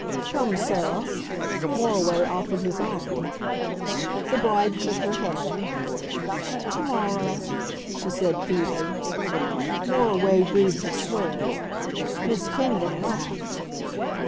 "Come, Sarah." Moriway offered his arm. The bride shook her head. "To morrow," she said feebly. Moriway breathed a swear. Miss Kingdon laughed.